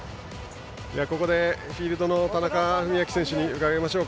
ここで、フィールドの田中史朗選手に伺います。